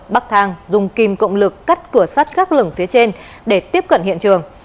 bắc thang dùng kim cộng lực cắt cửa sắt gác lửng phía trên để tiếp cận hiện trường